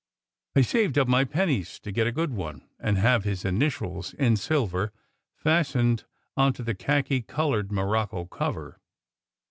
I d saved up my pennies to get a good one, and have his initials in silver fastened on to the khaki coloured morocco cover.